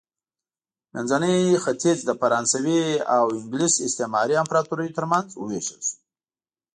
منځنی ختیځ د فرانسوي او انګلیس استعماري امپراتوریو ترمنځ ووېشل شو.